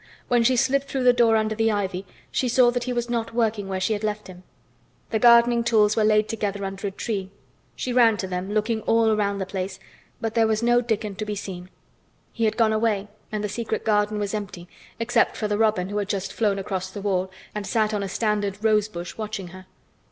When she slipped through the door under the ivy, she saw he was not working where she had left him. The gardening tools were laid together under a tree. She ran to them, looking all round the place, but there was no Dickon to be seen. He had gone away and the secret garden was empty—except for the robin who had just flown across the wall and sat on a standard rose bush watching her.